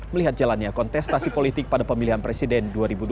melihat jalannya kontestasi politik pada pemilihan presiden dua ribu dua puluh